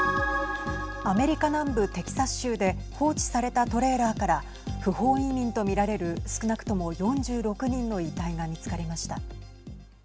アメリカ南部、テキサス州で放置されたトレーラーから不法移民と見られる少なくとも４６人の遺体が見つかりました。